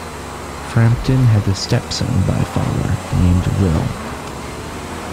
Frampton had a stepson by Faller named Will.